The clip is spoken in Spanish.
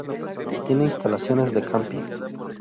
Tiene instalaciones de camping.